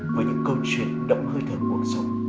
với những câu chuyện động hơi thở cuộc sống